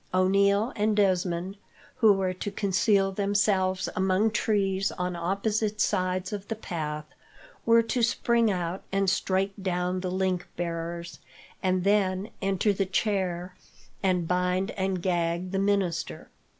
O'Neil and Desmond, who were to conceal themselves among trees on opposite sides of the path, were to spring out and strike down the link bearers, and then enter the chair and bind and gag the minister.